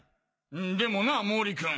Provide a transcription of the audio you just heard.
でもな毛利君。